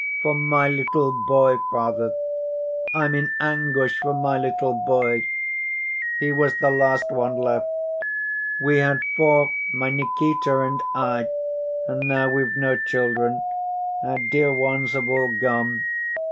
For my little boy, Father, I'm in anguish, for my little boy. He was the last one left. We had four, my Nikita and I, and now we've no children, our dear ones have all gone.